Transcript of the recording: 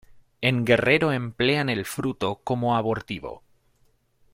En Guerrero emplean el fruto como abortivo.